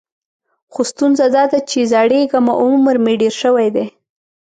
خو ستونزه دا ده چې زړیږم او عمر مې ډېر شوی دی.